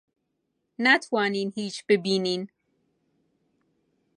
ناتوانین هیچ ببینین.